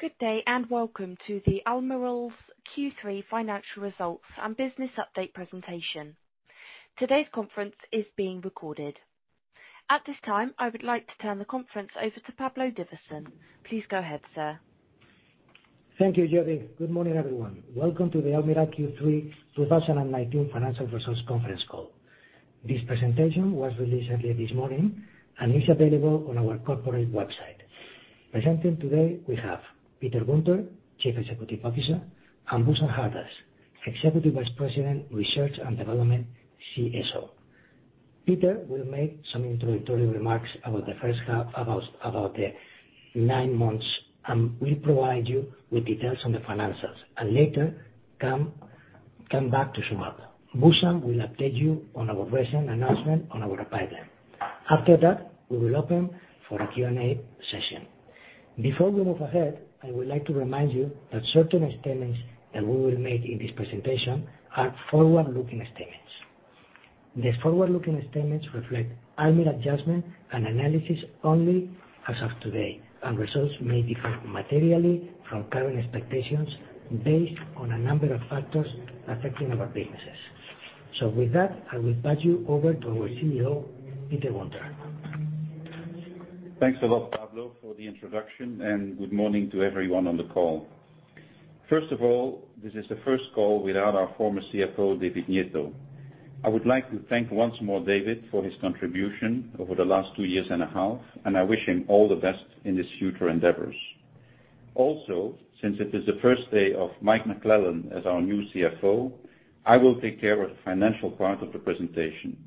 Good day and welcome to the Almirall Q3 financial results and business update presentation. Today's conference is being recorded. At this time, I would like to turn the conference over to Pablo Divasson. Please go ahead, sir. Thank you, Jody. Good morning, everyone. Welcome to the Almirall Q3 2019 financial results conference call. This presentation was released earlier this morning and is available on our corporate website. Presenting today, we have Peter Guenter, Chief Executive Officer, and Bhushan Hardas, Executive Vice President, Research and Development, CSO. Peter will make some introductory remarks about the nine months and will provide you with details on the financials, and later come back to sum up. Bhushan will update you on our recent announcement on our pipeline. After that, we will open for a Q&A session. Before we move ahead, I would like to remind you that certain statements that we will make in this presentation are forward-looking statements. The forward-looking statements reflect Almirall judgment and analysis only as of today, and results may differ materially from current expectations based on a number of factors affecting our businesses. With that, I will pass you over to our CEO, Peter Guenter. Thanks a lot, Pablo, for the introduction, and good morning to everyone on the call. First of all, this is the first call without our former CFO, David Nieto. I would like to thank once more David for his contribution over the last two years and a half, and I wish him all the best in his future endeavors. Since it is the first day of Mike McClellan as our new CFO, I will take care of the financial part of the presentation.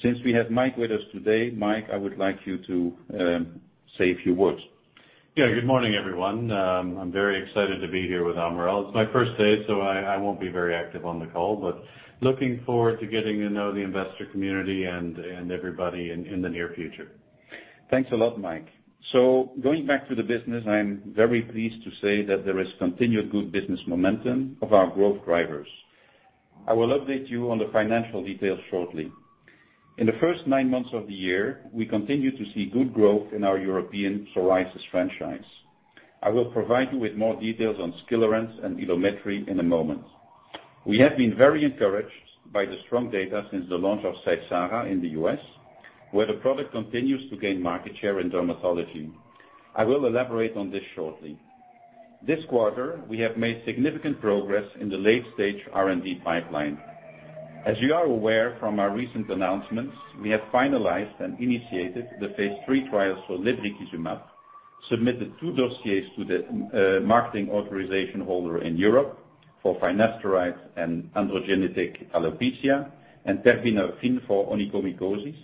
Since we have Mike with us today, Mike, I would like you to say a few words. Yeah, good morning, everyone. I'm very excited to be here with Almirall. It's my first day, so I won't be very active on the call, but looking forward to getting to know the investor community and everybody in the near future. Thanks a lot, Mike. Going back to the business, I am very pleased to say that there is continued good business momentum of our growth drivers. I will update you on the financial details shortly. In the first nine months of the year, we continue to see good growth in our European psoriasis franchise. I will provide you with more details on Skilarence and Ilumetri in a moment. We have been very encouraged by the strong data since the launch of Seysara in the U.S., where the product continues to gain market share in dermatology. I will elaborate on this shortly. This quarter, we have made significant progress in the late-stage R&D pipeline. As you are aware from our recent announcements, we have finalized and initiated the phase III trials for lebrikizumab, submitted two dossiers to the marketing authorization holder in Europe for finasteride and androgenetic alopecia, and terbinafine for onychomycosis.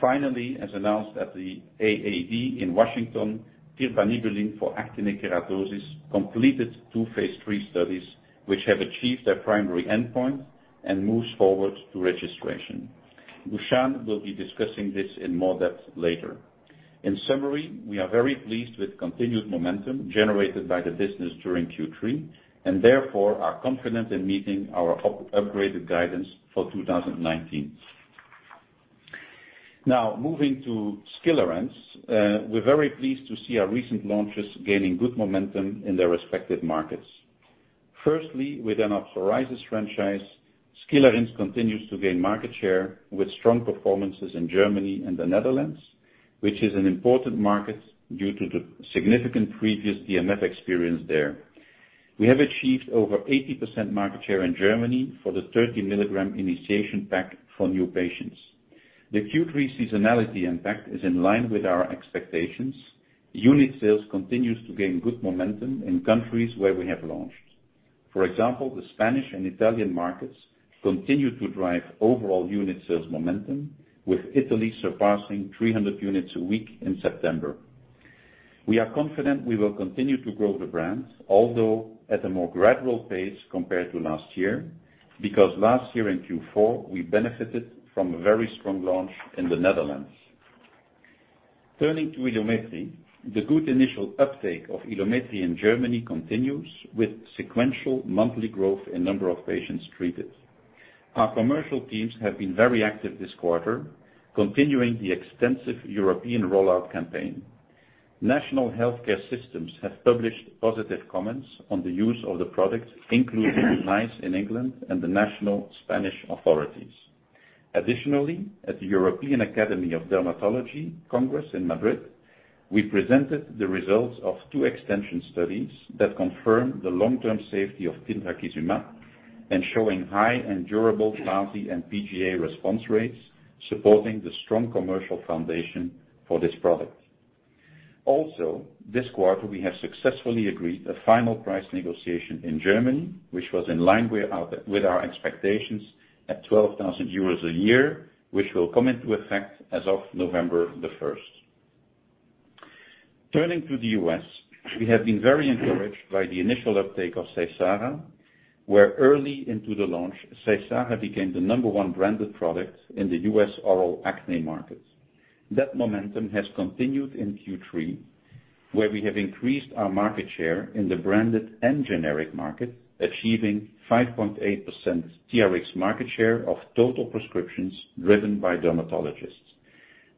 Finally, as announced at the AAD in Washington, D.C., tirbanibulin for actinic keratosis completed two phase III studies, which have achieved their primary endpoint and moves forward to registration. Bhushan will be discussing this in more depth later. In summary, we are very pleased with continued momentum generated by the business during Q3, and therefore are confident in meeting our upgraded guidance for 2019. Moving to Skilarence, we are very pleased to see our recent launches gaining good momentum in their respective markets. Within our psoriasis franchise, Skilarence continues to gain market share with strong performances in Germany and the Netherlands, which is an important market due to the significant previous DMF experience there. We have achieved over 80% market share in Germany for the 30 mg initiation pack for new patients. The Q3 seasonality impact is in line with our expectations. Unit sales continues to gain good momentum in countries where we have launched. For example, the Spanish and Italian markets continue to drive overall unit sales momentum, with Italy surpassing 300 units a week in September. We are confident we will continue to grow the brand, although at a more gradual pace compared to last year, because last year in Q4, we benefited from a very strong launch in the Netherlands. Turning to Ilumetri, the good initial uptake of Ilumetri in Germany continues with sequential monthly growth in number of patients treated. Our commercial teams have been very active this quarter, continuing the extensive European rollout campaign. National healthcare systems have published positive comments on the use of the product, including NICE in England and the national Spanish authorities. At the European Academy of Dermatology Congress in Madrid, we presented the results of two extension studies that confirm the long-term safety of tildrakizumab and showing high and durable PASI and PGA response rates, supporting the strong commercial foundation for this product. This quarter, we have successfully agreed a final price negotiation in Germany, which was in line with our expectations at 12,000 euros a year, which will come into effect as of November the 1st. Turning to the US, we have been very encouraged by the initial uptake of Seysara, where early into the launch, Seysara became the number 1 branded product in the US oral acne market. That momentum has continued in Q3, where we have increased our market share in the branded and generic market, achieving 5.8% TRX market share of total prescriptions driven by dermatologists.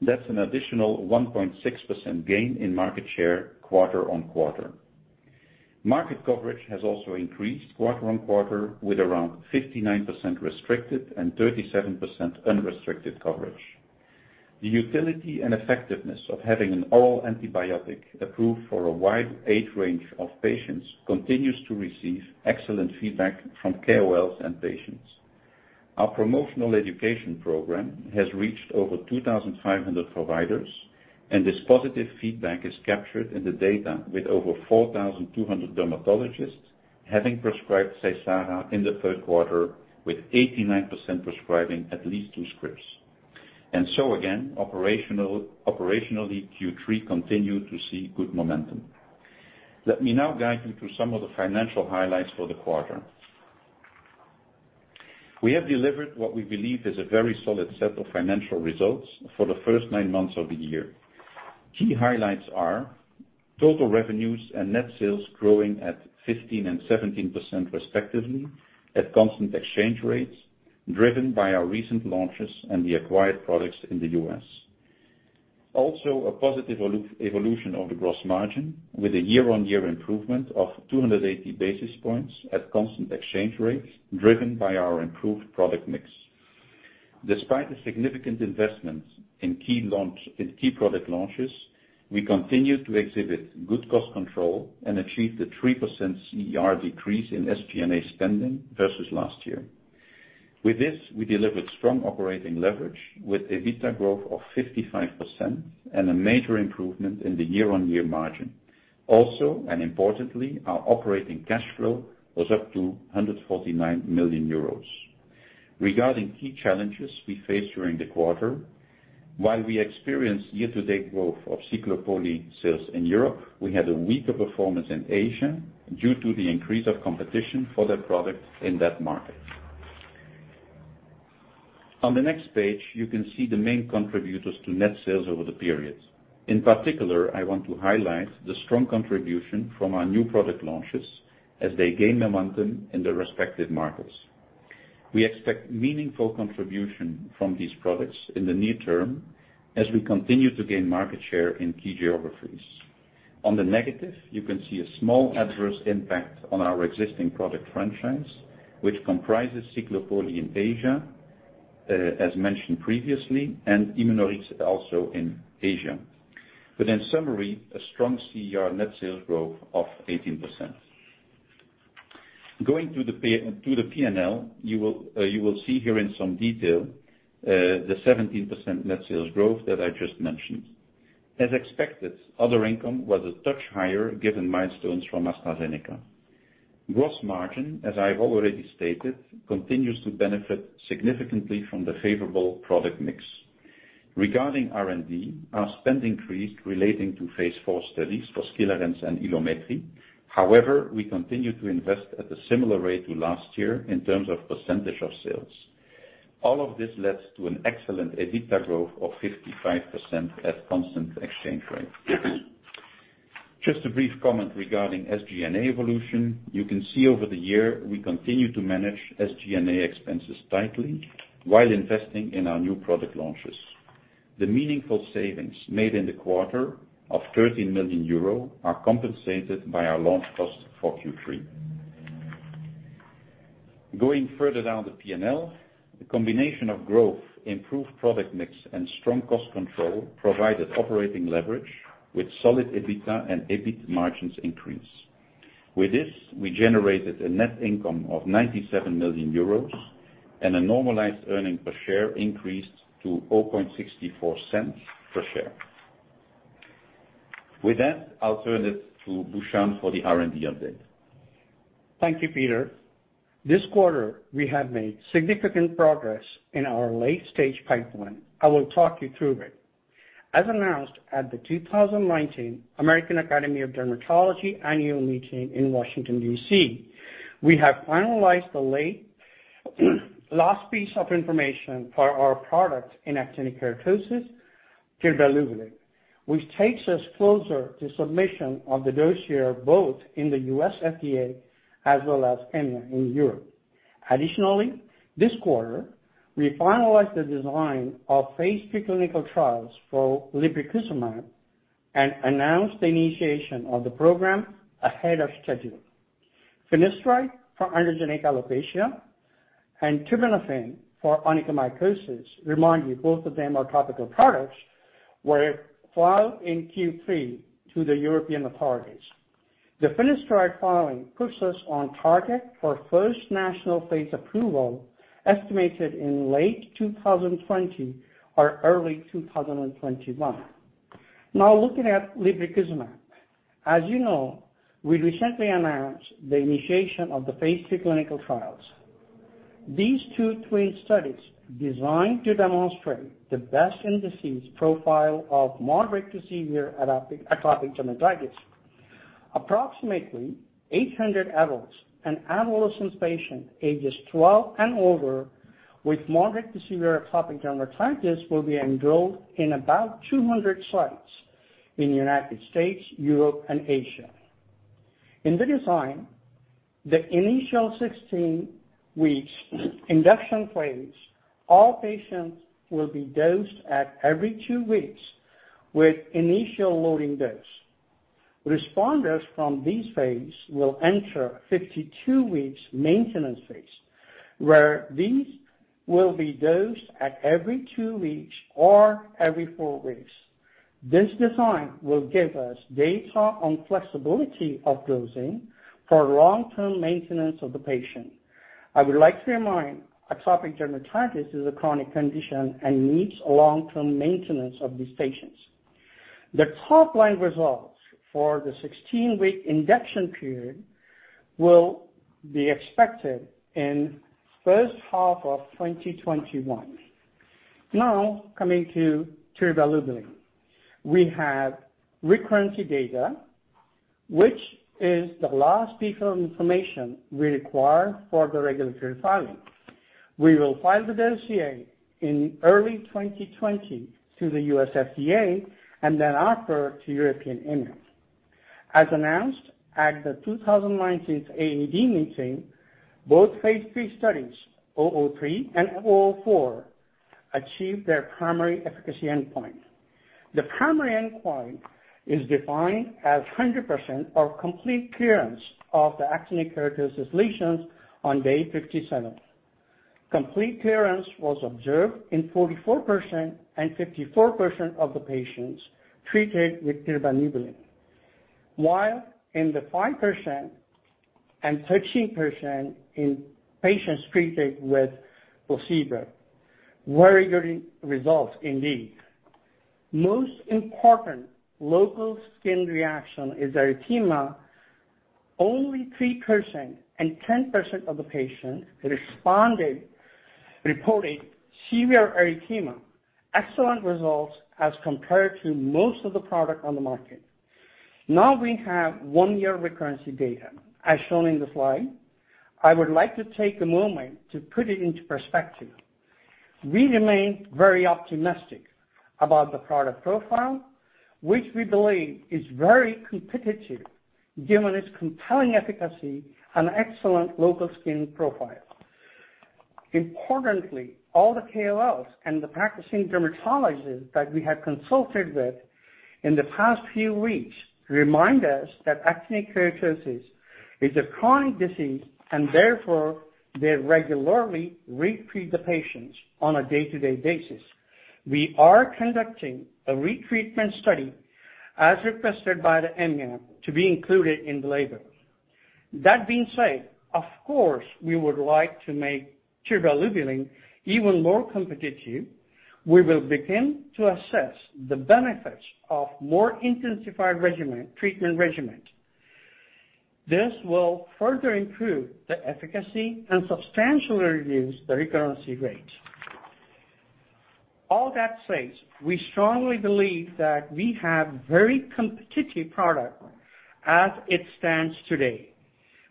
That's an additional 1.6% gain in market share quarter-on-quarter. Market coverage has also increased quarter-on-quarter, with around 59% restricted and 37% unrestricted coverage. The utility and effectiveness of having an oral antibiotic approved for a wide age range of patients continues to receive excellent feedback from KOLs and patients. Our promotional education program has reached over 2,500 providers, and this positive feedback is captured in the data with over 4,200 dermatologists having prescribed Seysara in the third quarter, with 89% prescribing at least two scripts. Again, operationally, Q3 continued to see good momentum. Let me now guide you through some of the financial highlights for the quarter. We have delivered what we believe is a very solid set of financial results for the first nine months of the year. Key highlights are total revenues and net sales growing at 15% and 17% respectively at constant exchange rates, driven by our recent launches and the acquired products in the U.S. A positive evolution of the gross margin with a year-on-year improvement of 280 basis points at constant exchange rates driven by our improved product mix. Despite the significant investment in key product launches, we continue to exhibit good cost control and achieve the 3% CER decrease in SG&A spending versus last year. With this, we delivered strong operating leverage with an EBITDA growth of 55% and a major improvement in the year-on-year margin. Importantly, our operating cash flow was up to 149 million euros. Regarding key challenges we faced during the quarter, while we experienced year-to-date growth of Ciclopoli sales in Europe, we had a weaker performance in Asia due to the increase of competition for that product in that market. On the next page, you can see the main contributors to net sales over the period. In particular, I want to highlight the strong contribution from our new product launches as they gain momentum in their respective markets. We expect meaningful contribution from these products in the near term as we continue to gain market share in key geographies. On the negative, you can see a small adverse impact on our existing product franchise, which comprises Ciclopoli in Asia, as mentioned previously, and Immunoryz also in Asia. In summary, a strong CER net sales growth of 18%. Going through the P&L, you will see here in some detail the 17% net sales growth that I just mentioned. As expected, other income was a touch higher given milestones from AstraZeneca. Gross margin, as I've already stated, continues to benefit significantly from the favorable product mix. Regarding R&D, our spend increased relating to phase IV studies for Skilarence and Ilumetri. However, we continue to invest at a similar rate to last year in terms of percentage of sales. All of this led to an excellent EBITDA growth of 55% at constant exchange rate. Just a brief comment regarding SG&A evolution. You can see over the year, we continue to manage SG&A expenses tightly while investing in our new product launches. The meaningful savings made in the quarter of 13 million euro are compensated by our launch cost for Q3. Going further down the P&L, the combination of growth, improved product mix, and strong cost control provided operating leverage with solid EBITDA and EBIT margins increase. With this, we generated a net income of 97 million euros and a normalized earning per share increased to 0.0064 per share. With that, I'll turn it to Bhushan for the R&D update. Thank you, Peter. This quarter, we have made significant progress in our late-stage pipeline. I will talk you through it. As announced at the 2019 American Academy of Dermatology annual meeting in Washington, D.C., we have finalized the last piece of information for our product in actinic keratosis, tirbanibulin, which takes us closer to submission of the dossier, both in the U.S. FDA as well as EMA in Europe. Additionally, this quarter, we finalized the design of phase III clinical trials for lebrikizumab and announced the initiation of the program ahead of schedule. finasteride for androgenetic alopecia and terbinafine for onychomycosis, remind you both of them are topical products, were filed in Q3 to the European authorities. The finasteride filing puts us on target for first national phase approval estimated in late 2020 or early 2021. Now looking at lebrikizumab. As you know, we recently announced the initiation of the phase III clinical trials. These two twin studies designed to demonstrate the best in disease profile of moderate to severe atopic dermatitis. Approximately 800 adults and adolescent patients ages 12 and over with moderate to severe atopic dermatitis will be enrolled in about 200 sites in the U.S., Europe, and Asia. In the initial 16 weeks induction phase, all patients will be dosed at every two weeks with initial loading dose. Responders from this phase will enter 52 weeks maintenance phase, where these will be dosed at every two weeks or every four weeks. This design will give us data on flexibility of dosing for long-term maintenance of the patient. I would like to remind, atopic dermatitis is a chronic condition and needs long-term maintenance of these patients. The top-line results for the 16-week induction period will be expected in first half of 2021. Now, coming to tirbanibulin. We have recurrency data, which is the last piece of information we require for the regulatory filing. We will file the NDA in early 2020 to the U.S. FDA, and then after to European EMA. As announced at the 2019 AAD meeting, both phase III studies, 003 and 004, achieved their primary efficacy endpoint. The primary endpoint is defined as 100% of complete clearance of the actinic keratosis lesions on day 57. Complete clearance was observed in 44% and 54% of the patients treated with tirbanibulin, while in the 5% and 13% in patients treated with placebo. Very good results indeed. Most important local skin reaction is erythema. Only 3% and 10% of the patients reported severe erythema. Excellent results as compared to most of the product on the market. Now we have one-year recurrency data, as shown in the slide. I would like to take a moment to put it into perspective. We remain very optimistic about the product profile, which we believe is very competitive given its compelling efficacy and excellent local skin profile. Importantly, all the KOLs and the practicing dermatologists that we have consulted with in the past few weeks remind us that actinic keratosis is a chronic disease, and therefore they regularly retreat the patients on a day-to-day basis. We are conducting a retreatment study as requested by the EMA to be included in the label. That being said, of course, we would like to make tirbanibulin even more competitive. We will begin to assess the benefits of more intensified treatment regimen. This will further improve the efficacy and substantially reduce the recurrency rate. All that said, we strongly believe that we have very competitive product as it stands today.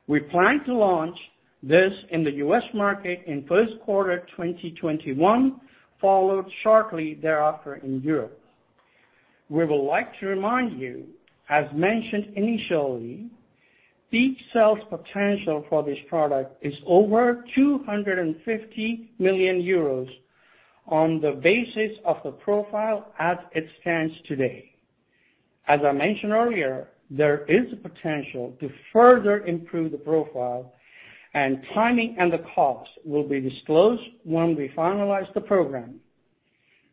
We plan to launch this in the U.S. market in first quarter 2021, followed shortly thereafter in Europe. We would like to remind you, as mentioned initially, peak sales potential for this product is over 250 million euros on the basis of the profile as it stands today. As I mentioned earlier, there is a potential to further improve the profile, and timing and the cost will be disclosed when we finalize the program.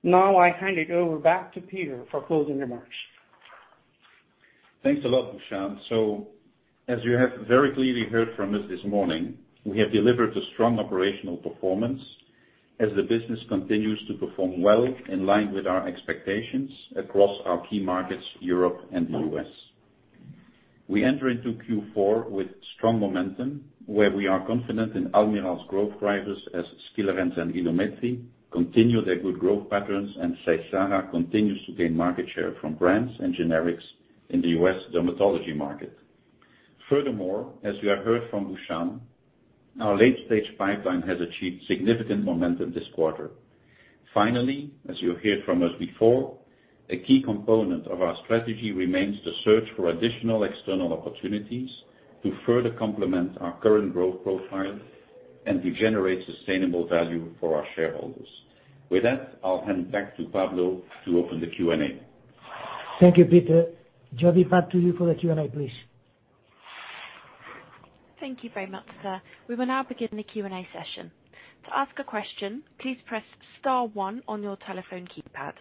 Now I hand it over back to Peter for closing remarks. Thanks a lot, Bhushan. As you have very clearly heard from us this morning, we have delivered a strong operational performance as the business continues to perform well in line with our expectations across our key markets, Europe and the U.S. We enter into Q4 with strong momentum, where we are confident in Almirall's growth drivers as Skilarence and Ilumetri continue their good growth patterns and Seysara continues to gain market share from brands and generics in the U.S. dermatology market. Furthermore, as you have heard from Bhushan, our late-stage pipeline has achieved significant momentum this quarter. Finally, as you heard from us before, a key component of our strategy remains the search for additional external opportunities to further complement our current growth profile and to generate sustainable value for our shareholders. With that, I'll hand back to Pablo to open the Q&A. Thank you, Peter. Jodi, back to you for the Q&A, please. Thank you very much, sir. We will now begin the Q&A session. To ask a question, please press star one on your telephone keypad.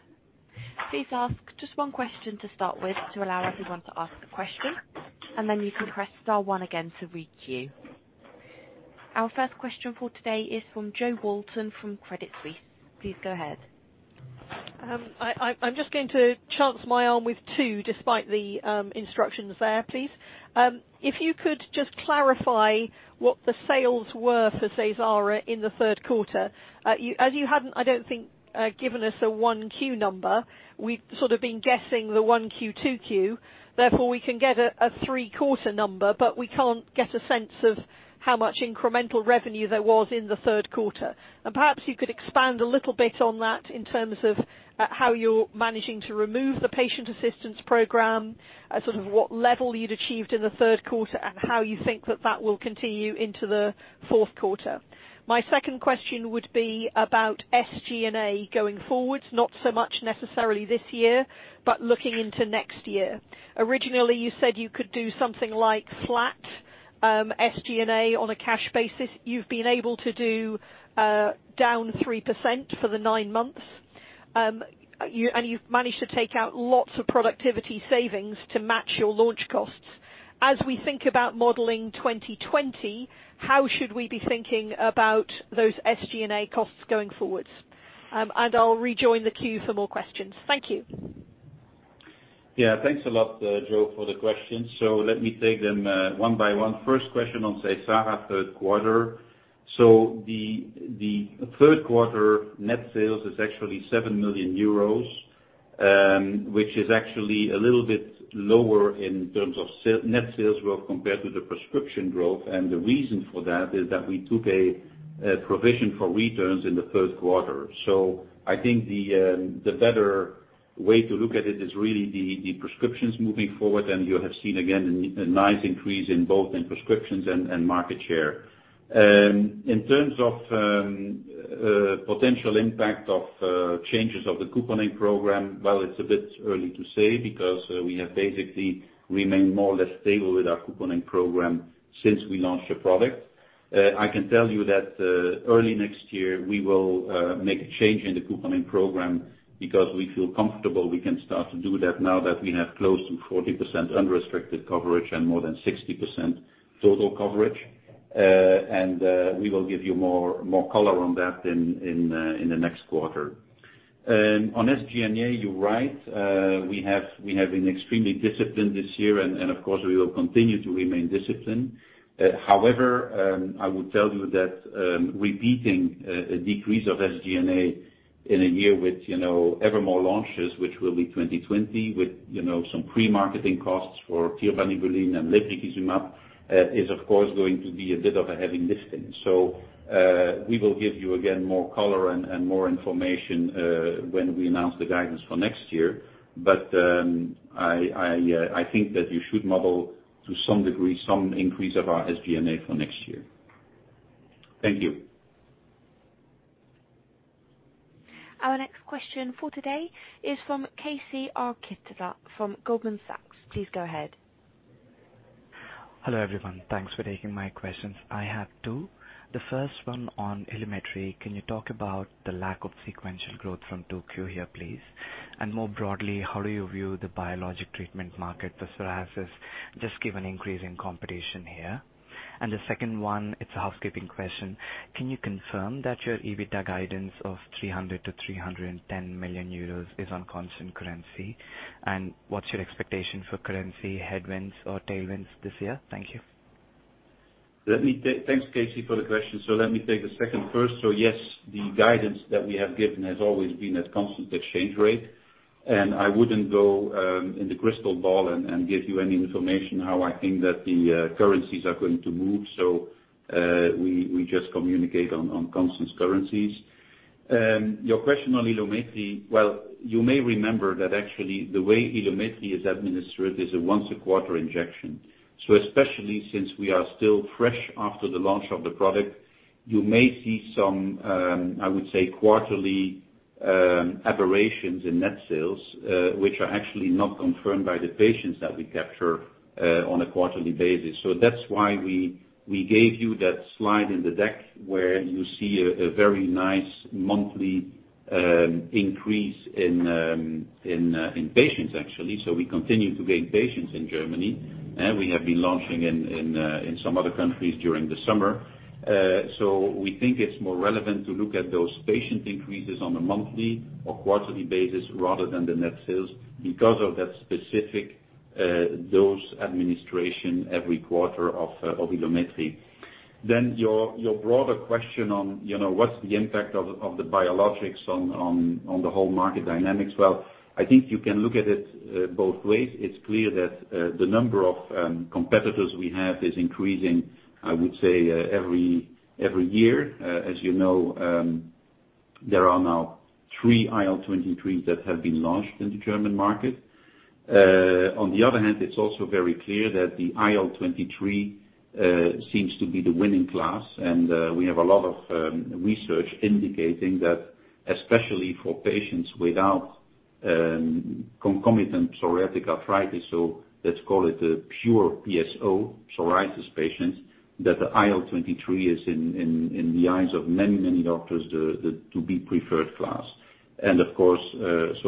Please ask just one question to start with to allow everyone to ask a question, and then you can press star one again to re-queue. Our first question for today is from Jo Walton from Credit Suisse. Please go ahead. I'm just going to chance my arm with two despite the instructions there, please. If you could just clarify what the sales were for Seysara in the third quarter. You hadn't, I don't think, given us a 1Q number. We've sort of been guessing the 1Q, 2Q, therefore we can get a 3-quarter number, but we can't get a sense of how much incremental revenue there was in the third quarter. Perhaps you could expand a little bit on that in terms of how you're managing to remove the patient assistance program, sort of what level you'd achieved in the third quarter, and how you think that that will continue into the fourth quarter. My second question would be about SG&A going forwards, not so much necessarily this year, but looking into next year. Originally, you said you could do something like flat SG&A on a cash basis, you've been able to do down 3% for the nine months. You've managed to take out lots of productivity savings to match your launch costs. As we think about modeling 2020, how should we be thinking about those SG&A costs going forwards? I'll rejoin the queue for more questions. Thank you. Yeah. Thanks a lot, Jo, for the question. Let me take them one by one. First question on Seysara third quarter. The third quarter net sales is actually 7 million euros, which is actually a little bit lower in terms of net sales growth compared to the prescription growth. The reason for that is that we took a provision for returns in the third quarter. I think the better way to look at it is really the prescriptions moving forward, and you have seen, again, a nice increase in both in prescriptions and market share. In terms of potential impact of changes of the couponing program, well, it's a bit early to say because we have basically remained more or less stable with our couponing program since we launched the product. I can tell you that early next year, we will make a change in the couponing program because we feel comfortable we can start to do that now that we have close to 40% unrestricted coverage and more than 60% total coverage. We will give you more color on that in the next quarter. On SG&A, you're right. We have been extremely disciplined this year and of course, we will continue to remain disciplined. However, I would tell you that repeating a decrease of SG&A in a year with ever more launches, which will be 2020, with some pre-marketing costs for tirbanibulin and lebrikizumab, is of course, going to be a bit of a heavy lifting. We will give you, again, more color and more information when we announce the guidance for next year. I think that you should model to some degree, some increase of our SG&A for next year. Thank you. Our next question for today is from KC Arikatla from Goldman Sachs. Please go ahead. Hello, everyone. Thanks for taking my questions. I have two. The first one on Ilumetri. Can you talk about the lack of sequential growth from 2Q here, please? More broadly, how do you view the biologic treatment market for psoriasis, just given increasing competition here? The second one, it's a housekeeping question. Can you confirm that your EBITDA guidance of 300 million-310 million euros is on constant currency? What's your expectation for currency headwinds or tailwinds this year? Thank you. Thanks, KC for the question. Let me take the second first. Yes, the guidance that we have given has always been at constant exchange rate. I wouldn't go in the crystal ball and give you any information how I think that the currencies are going to move. We just communicate on constant currencies. Your question on Ilumetri, well, you may remember that actually the way Ilumetri is administered is a once a quarter injection. Especially since we are still fresh after the launch of the product, you may see some, I would say, quarterly aberrations in net sales, which are actually not confirmed by the patients that we capture on a quarterly basis. That's why we gave you that slide in the deck where you see a very nice monthly increase in patients, actually. We continue to gain patients in Germany. We have been launching in some other countries during the summer. We think it's more relevant to look at those patient increases on a monthly or quarterly basis rather than the net sales because of that specific dose administration every quarter of Ilumetri. Your broader question on what's the impact of the biologics on the whole market dynamics. I think you can look at it both ways. It's clear that the number of competitors we have is increasing, I would say every year. As you know, there are now three IL-23s that have been launched in the German market. On the other hand, it's also very clear that the IL-23 seems to be the winning class and we have a lot of research indicating that especially for patients without concomitant psoriatic arthritis, so let's call it a pure PSO, psoriasis patients, that the IL-23 is in the eyes of many, many doctors to be preferred class. Of course,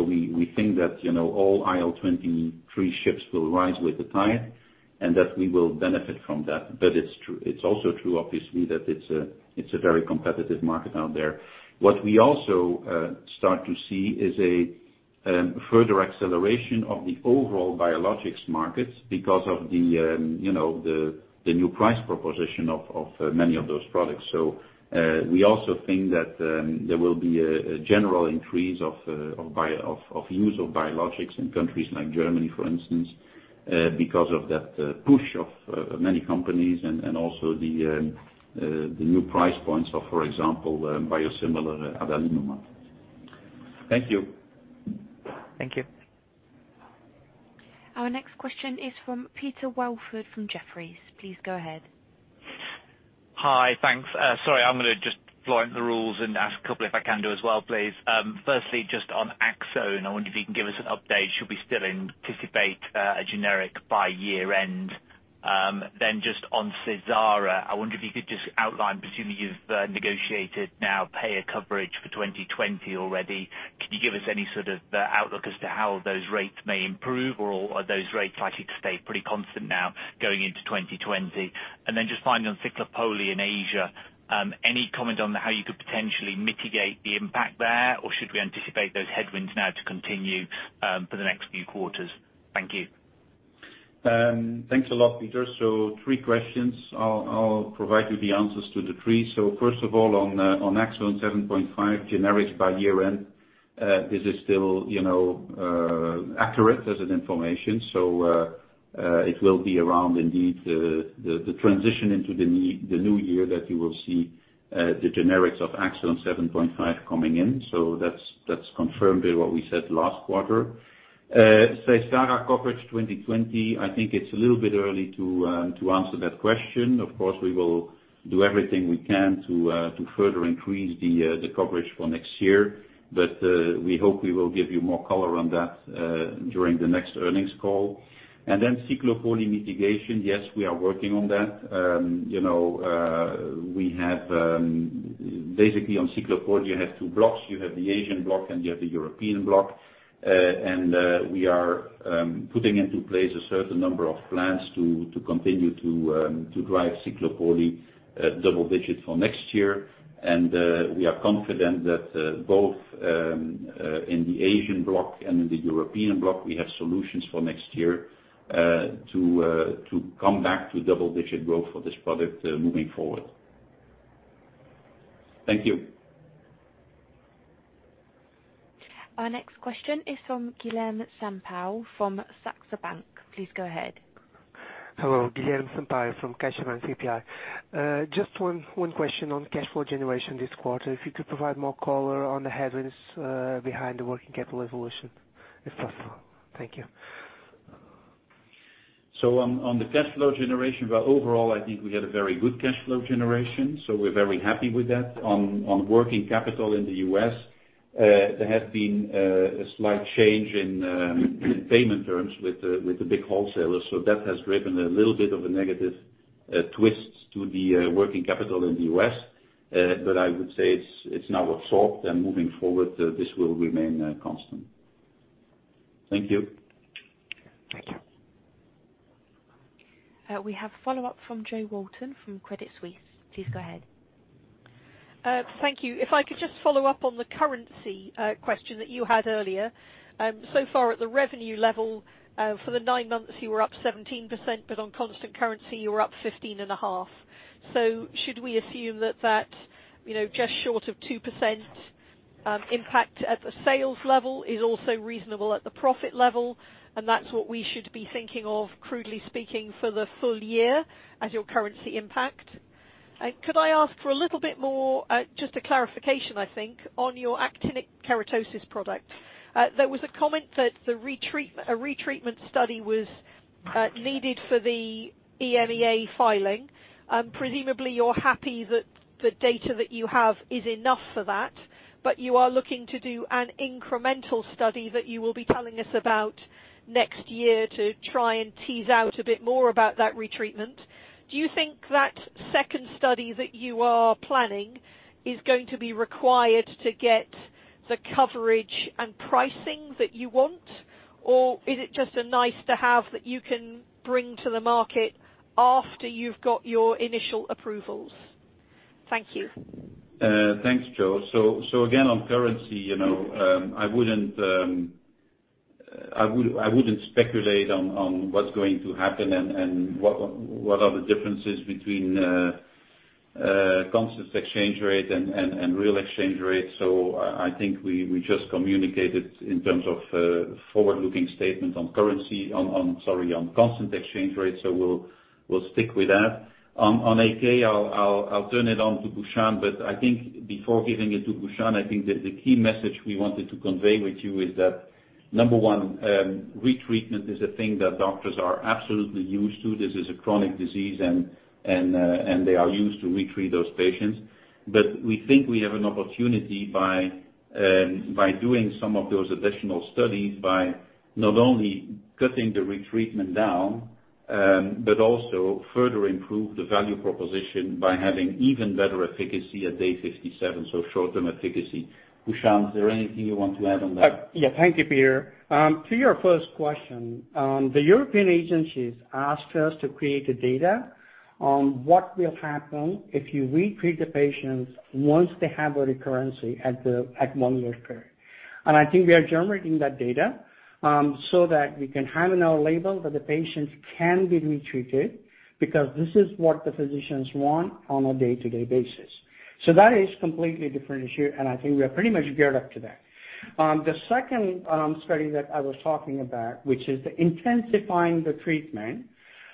we think that all IL-23 ships will rise with the tide and that we will benefit from that. It's also true, obviously, that it's a very competitive market out there. What we also start to see is a further acceleration of the overall biologics market because of the new price proposition of many of those products. We also think that there will be a general increase of use of biologics in countries like Germany, for instance, because of that push of many companies and also the new price points of, for example, biosimilar adalimumab. Thank you. Thank you. Our next question is from Peter Welford from Jefferies. Please go ahead. Hi. Thanks. Sorry, I'm going to just flaunt the rules and ask a couple if I can do as well, please. Firstly, just on Aczone, I wonder if you can give us an update. Should we still anticipate a generic by year end? Just on Seysara, I wonder if you could just outline, presumably you've negotiated now payer coverage for 2020 already. Can you give us any sort of outlook as to how those rates may improve or are those rates likely to stay pretty constant now going into 2020? Just finally on Ciclopoli in Asia, any comment on how you could potentially mitigate the impact there? Should we anticipate those headwinds now to continue for the next few quarters? Thank you. Thanks a lot, Peter. Three questions. I'll provide you the answers to the three. First of all, on Aczone 7.5 generics by year end, this is still accurate as an information. It will be around indeed, the transition into the new year that you will see the generics of Aczone 7.5 coming in. That's confirmed in what we said last quarter. Seysara coverage 2020, I think it's a little bit early to answer that question. Of course, we will do everything we can to further increase the coverage for next year. We hope we will give you more color on that during the next earnings call. Then Ciclopoli mitigation, yes, we are working on that. Basically on Ciclopoli, you have two blocks. You have the Asian block and you have the European block. We are putting into place a certain number of plans to continue to drive Ciclopoli double-digit for next year. We are confident that both in the Asian block and in the European block, we have solutions for next year to come back to double-digit growth for this product moving forward. Thank you. Our next question is from Guilherme Sampaio from Saxo Bank. Please go ahead. Hello. Guilherme Sampaio from Saxo Bank, CPI. Just one question on cash flow generation this quarter. If you could provide more color on the headwinds behind the working capital evolution, if possible. Thank you. On the cash flow generation, well, overall, I think we had a very good cash flow generation, so we're very happy with that. On working capital in the U.S., there has been a slight change in payment terms with the big wholesalers, so that has driven a little bit of a negative twist to the working capital in the U.S. I would say it's now absorbed and moving forward, this will remain constant. Thank you. Thank you. We have a follow-up from Jo Walton from Credit Suisse. Please go ahead. Thank you. If I could just follow up on the currency question that you had earlier. Far at the revenue level for the nine months, you were up 17%, but on constant currency, you were up 15.5%. Should we assume that, just short of 2% impact at the sales level is also reasonable at the profit level, and that's what we should be thinking of, crudely speaking, for the full year as your currency impact? Could I ask for a little bit more, just a clarification, I think, on your actinic keratosis product. There was a comment that a retreatment study was needed for the EMA filing. Presumably, you're happy that the data that you have is enough for that, but you are looking to do an incremental study that you will be telling us about next year to try and tease out a bit more about that retreatment. Do you think that second study that you are planning is going to be required to get the coverage and pricing that you want? Or is it just a nice-to-have that you can bring to the market after you've got your initial approvals? Thank you. Thanks, Jo. Again, on currency, I wouldn't speculate on what's going to happen and what are the differences between constant exchange rate and real exchange rate. I think we just communicated in terms of forward-looking statement on currency, sorry, on constant exchange rate. We'll stick with that. On AK, I'll turn it on to Bhushan, but I think before giving it to Bhushan, I think the key message we wanted to convey with you is that number one, retreatment is a thing that doctors are absolutely used to. This is a chronic disease and they are used to retreat those patients. We think we have an opportunity by doing some of those additional studies by not only cutting the retreatment down, but also further improve the value proposition by having even better efficacy at day 57, so short-term efficacy. Bhushan, is there anything you want to add on that? Yeah. Thank you, Peter. To your first question, the European agencies asked us to create the data on what will happen if you retreat the patients once they have a recurrence at one-year period. I think we are generating that data, so that we can have in our label that the patients can be retreated because this is what the physicians want on a day-to-day basis. That is completely different issue, and I think we are pretty much geared up to that. The second study that I was talking about, which is intensifying the treatment.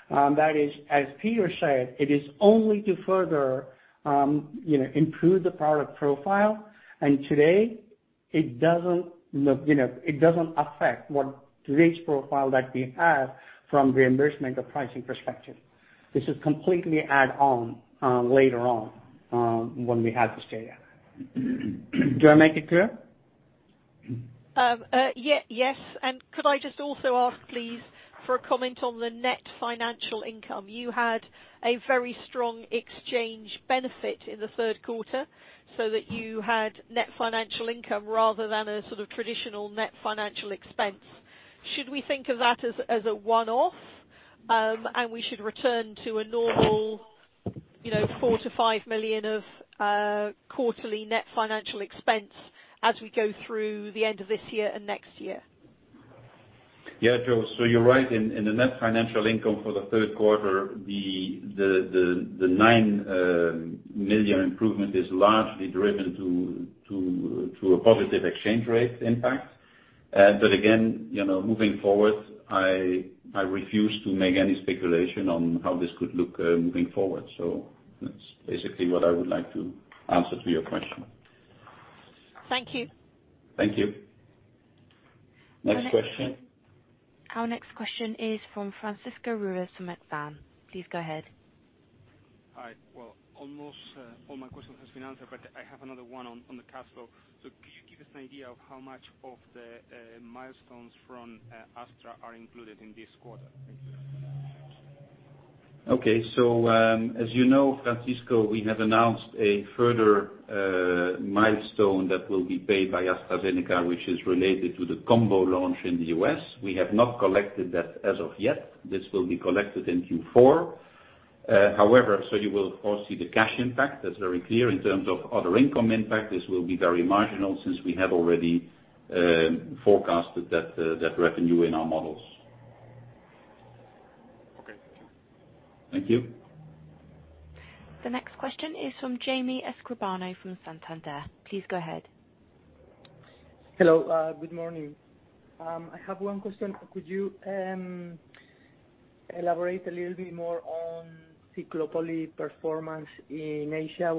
That is, as Peter said, it is only to further improve the product profile. Today it doesn't affect what risk profile that we have from reimbursement or pricing perspective. This is completely add-on, later on, when we have this data. Do I make it clear? Yes. Could I just also ask, please, for a comment on the net financial income. You had a very strong exchange benefit in the third quarter, so that you had net financial income rather than a sort of traditional net financial expense. Should we think of that as a one-off, and we should return to a normal 4 million to 5 million of quarterly net financial expense as we go through the end of this year and next year? Yeah, Jo. You're right. In the net financial income for the third quarter, the 9 million improvement is largely driven to a positive exchange rate impact. Again, moving forward, I refuse to make any speculation on how this could look moving forward. That's basically what I would like to answer to your question. Thank you. Thank you. Next question. Our next question is from Francisco Ruiz from Exane. Please go ahead. Hi. Well, almost all my questions has been answered, but I have another one on the cash flow. Could you give us an idea of how much of the milestones from Astra are included in this quarter? Thank you. Okay. As you know, Francisco, we have announced a further milestone that will be paid by AstraZeneca, which is related to the combo launch in the U.S. We have not collected that as of yet. This will be collected in Q4. However, you will of course see the cash impact, that's very clear. In terms of other income impact, this will be very marginal, since we have already forecasted that revenue in our models. Okay. Thank you. Thank you. The next question is from Jamie Escribano from Santander. Please go ahead. Hello, good morning. I have one question. Could you elaborate a little bit more on Ciclopoli performance in Asia?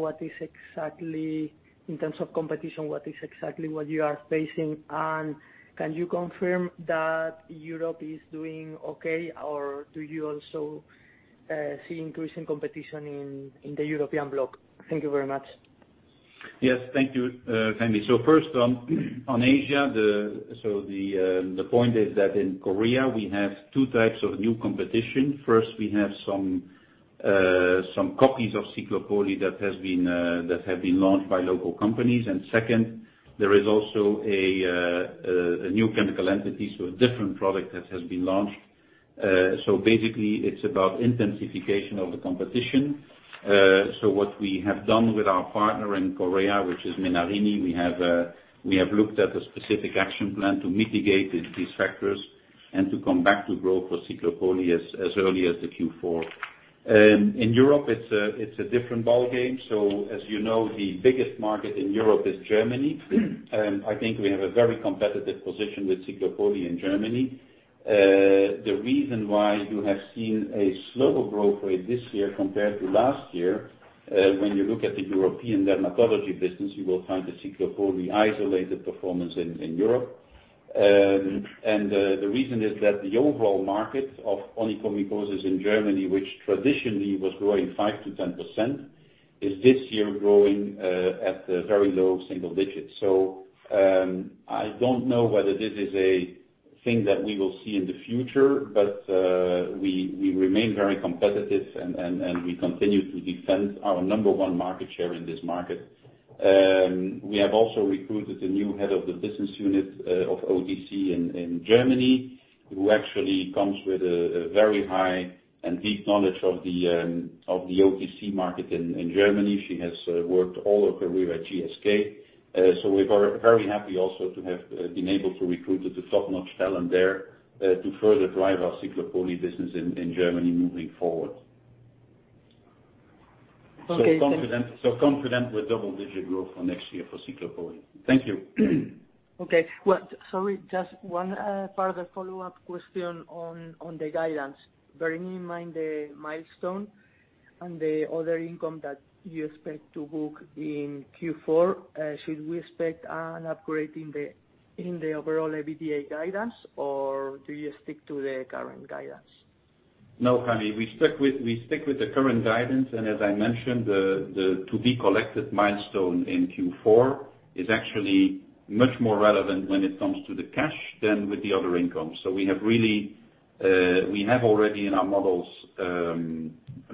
In terms of competition, what is exactly what you are facing, and can you confirm that Europe is doing okay, or do you also see increasing competition in the European block? Thank you very much. Yes. Thank you, Jamie. First, on Asia, the point is that in Korea, we have 2 types of new competition. First, we have some copies of Ciclopoli that have been launched by local companies. Second, there is also a new chemical entity, so a different product that has been launched. Basically, it's about intensification of the competition. What we have done with our partner in Korea, which is Menarini, we have looked at a specific action plan to mitigate these factors and to come back to growth for Ciclopoli as early as the Q4. In Europe, it's a different ballgame. As you know, the biggest market in Europe is Germany. I think we have a very competitive position with Ciclopoli in Germany. The reason why you have seen a slower growth rate this year compared to last year, when you look at the European dermatology business, you will find the Ciclopoli isolated performance in Europe. The reason is that the overall market of onychomycosis in Germany, which traditionally was growing 5%-10%, is this year growing at a very low single digits. I don't know whether this is a thing that we will see in the future, we remain very competitive and we continue to defend our number 1 market share in this market. We have also recruited a new head of the business unit of OTC in Germany, who actually comes with a very high and deep knowledge of the OTC market in Germany. She has worked all her career at GSK. We're very happy also to have been able to recruit the top-notch talent there, to further drive our Ciclopoli business in Germany moving forward. Okay, thank you. Confident with double-digit growth for next year for Ciclopoli. Thank you. Okay. Sorry, just one further follow-up question on the guidance. Bearing in mind the milestone and the other income that you expect to book in Q4, should we expect an upgrade in the overall EBITDA guidance, or do you stick to the current guidance? No, Jamie, as I mentioned, to be collected milestone in Q4 is actually much more relevant when it comes to the cash than with the other income. We have already in our models,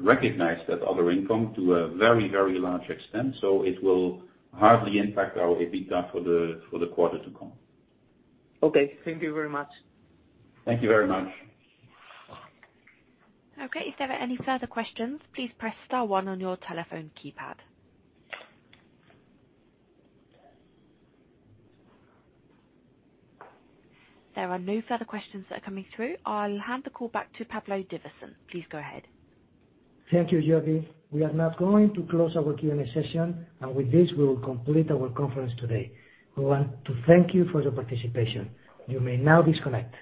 recognized that other income to a very, very large extent, so it will hardly impact our EBITDA for the quarter to come. Okay. Thank you very much. Thank you very much. Okay. If there are any further questions, please press star one on your telephone keypad. There are no further questions that are coming through. I will hand the call back to Pablo Divasson. Please go ahead. Thank you, Jody. We are now going to close our Q&A session, and with this, we will complete our conference today. We want to thank you for your participation. You may now disconnect.